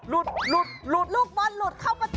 หลุดหลุดลุด